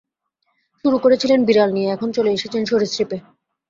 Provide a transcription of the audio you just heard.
শুরু করেছিলেন বিড়াল দিয়ে, এখন চলে এসেছেন সরীসৃপে।